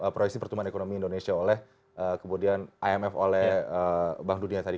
proyeksi pertumbuhan ekonomi indonesia oleh kemudian imf oleh bank dunia tadi